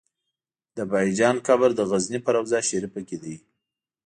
د بهايي جان قبر د غزنی په روضه شريفه کی دی